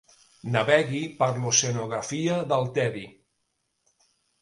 Navegui per l'oceanografia del tedi.